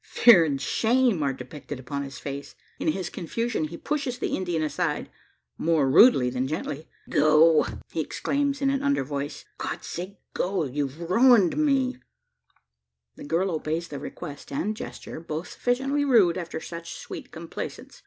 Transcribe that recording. Fear and shame are depicted upon his face. In his confusion he pushes the Indian aside more rudely than gently. "Go!" he exclaims in an under voice. "For God's sake go! you have ruined me!" The girl obeys the request and gesture both sufficiently rude after such sweet complaisance.